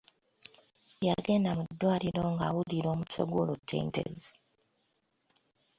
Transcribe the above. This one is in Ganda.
Yagenda mu ddwaliro nga awulira omutwe ogw’olutentezi.